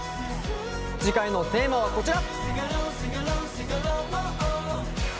次回のテーマはこちら。